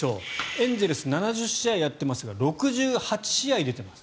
エンゼルス７０試合やってますが６８試合出てます。